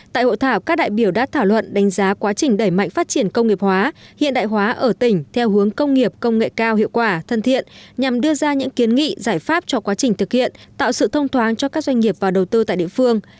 tại hội thảo các đại biểu đã thảo luận đánh giá quá trình đẩy mạnh phát triển công nghiệp hóa hiện đại hóa ở tỉnh theo hướng công nghiệp công nghệ cao hiệu quả thân thiện nhằm đưa ra những kiến nghị giải pháp cho quá trình thực hiện tạo sự thông thoáng cho các doanh nghiệp và đầu tư tại địa phương